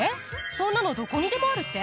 そんなのどこにでもあるって？